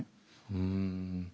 うん。